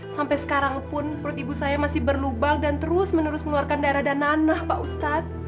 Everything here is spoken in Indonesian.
sampai sekarang pun perut ibu saya masih berlubang dan terus menerus mengeluarkan darah dan nanah pak ustadz